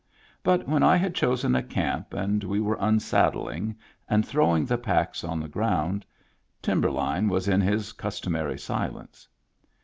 But when I had chosen a camp and we were unsad dling and throwing the packs on the ground, Timberline was in his customary silence.